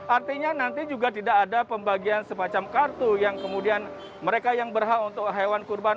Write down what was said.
artinya nanti juga tidak ada pembagian semacam kartu yang kemudian mereka yang berhak untuk hewan kurban